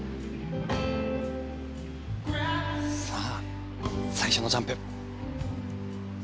さあ、最初のジャンプ。